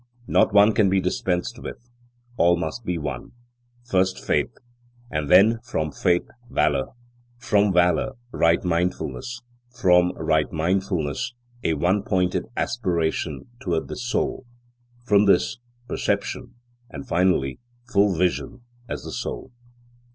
Not one can be dispensed with; all must be won. First faith; and then from faith, valour; from valour, right mindfulness; from right mindfulness, a one pointed aspiration toward the soul; from this, perception; and finally, full vision as the soul.